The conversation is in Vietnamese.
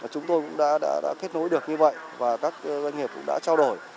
chúng tôi cũng đã kết nối được như vậy và các doanh nghiệp cũng đã trao đổi